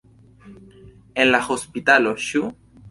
En la hospitalo, ĉu?